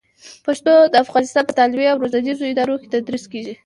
پښتو د افغانستان په تعلیمي او روزنیزو ادارو کې تدریس کېږي.